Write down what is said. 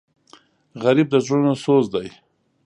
غریب د زړونو سوز دی